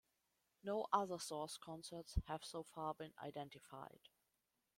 No other source concerts have so far been identified.